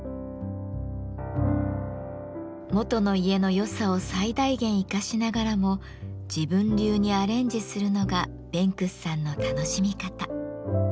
元の家の良さを最大限生かしながらも自分流にアレンジするのがベンクスさんの楽しみ方。